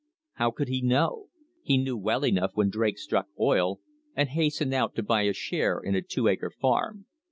How could he know? He knew well enough when Drake struck oil, and hastened out to buy a share in a two acre farm.